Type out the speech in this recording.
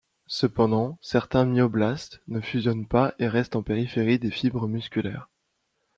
Cependant certains myoblastes ne fusionnent pas et restent en périphérie des fibres musculaires.